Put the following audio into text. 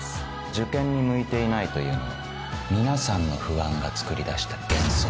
受験に向いていないというのは皆さんの不安がつくり出した幻想。